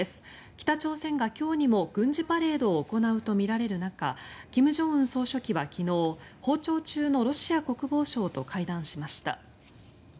北朝鮮が今日にも軍事パレードを行うとみられる中金正恩総書記は昨日訪朝中のロシア国防相と会談しました。